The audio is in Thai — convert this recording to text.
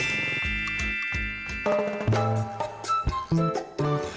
ไข่มันเต็ดตัวครับ